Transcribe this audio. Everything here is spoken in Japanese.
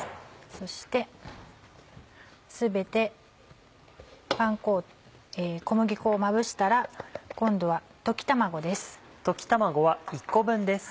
そして全て小麦粉をまぶしたら今度は溶き卵です。